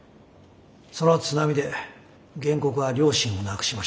その津波で原告は両親を亡くしました。